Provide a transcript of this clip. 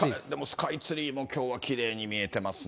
スカイツリーもきょうはきれいに見えてますね。